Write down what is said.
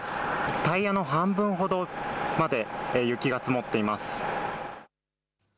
タイヤの半分ほどまで雪が積もっています。